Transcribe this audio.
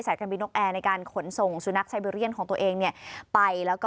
การบินนกแอร์ในการขนส่งสุนัขไซเบอร์เรียนของตัวเองเนี่ยไปแล้วก็